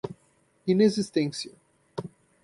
inexistência